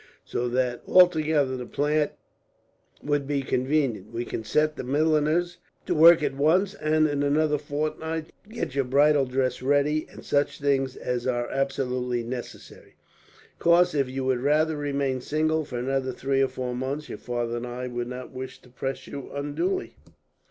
So that, altogether, the plan would be convenient. We can set the milliners to work at once and, in another fortnight, get your bridal dress ready, and such things as are absolutely necessary. "Of course, if you would rather remain single for another three or four months, your father and I would not wish to press you unduly."